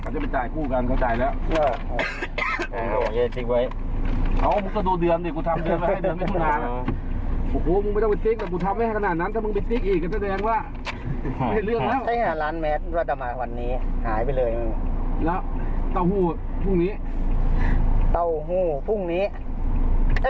ใช้งานร้านแมทเราจะมาวันนี้หายไปเลยแล้วเต้าหู้พรุ่งนี้เต้าหู้พรุ่งนี้